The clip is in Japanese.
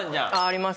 あります